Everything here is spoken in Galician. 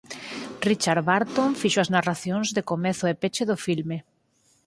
Richard Burton fixo as narracións de comezo e peche do filme.